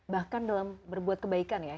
bahkan dalam berbuat kebaikan ya